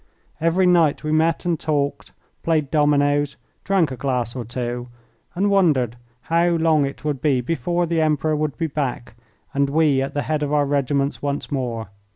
Every night we met and talked, played dominoes, drank a glass or two, and wondered how long it would be before the Emperor would be back and we at the head of our regiments once more.